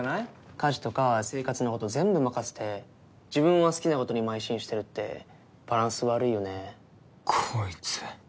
家事とか生活のこと全部任せて自分は好きなことに邁進してるってバランス悪いよね。